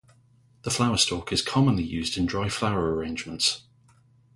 The flower stalk is commonly used in dry flower arrangements.